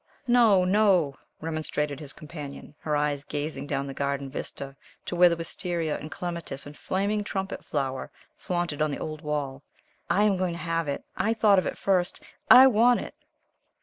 "No, no," remonstrated his companion, her eyes gazing down the garden vista to where the wistaria and clematis and flaming trumpet flower flaunted on the old wall. "I am going to have it I thought of it first. I want it."